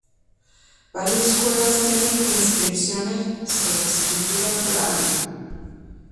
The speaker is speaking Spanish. Varias cuevas tienen inscripciones en escritura brahmi.